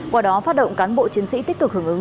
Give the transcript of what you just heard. qua đó phát động cán bộ chiến sĩ tích cực hưởng ứng